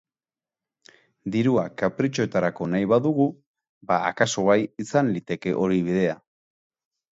Dirua kapritxoetarako nahi badugu, ba akaso bai, izan liteke hori bidea.